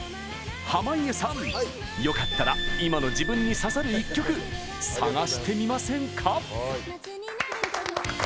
濱家さん、よかったら今の自分に刺さる一曲探してみませんか？